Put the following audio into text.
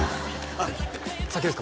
あっ先ですか？